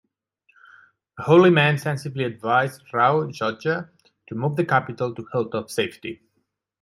A holy man sensibly advised Rao Jodha to move the capital to hilltop safety.